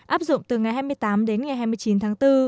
áp dụng từ ngày hai mươi tám đến ngày hai mươi chín tháng bốn